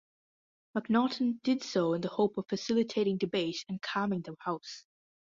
Macnaughton did so in the hope of facilitating debate and calming the House.